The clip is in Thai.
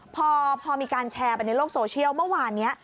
พอมีการแชร์ไปในโลกโซเชียลเมื่อวานนี้